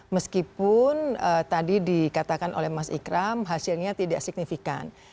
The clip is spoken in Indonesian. meskipun tadi dikatakan oleh mas ikram hasilnya tidak signifikan